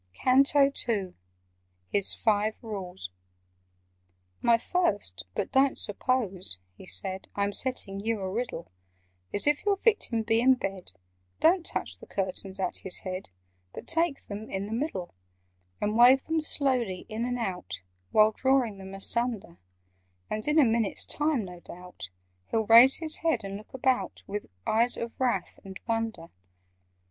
[Picture: The Phantom dines] CANTO II Hys Fyve Rules "MY First—but don't suppose," he said, "I'm setting you a riddle— Is—if your Victim be in bed, Don't touch the curtains at his head, But take them in the middle, "And wave them slowly in and out, While drawing them asunder; And in a minute's time, no doubt, He'll raise his head and look about With eyes of wrath and wonder.